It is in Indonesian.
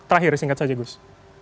terakhir singkat saja gus